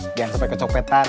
jangan sampai kecopetan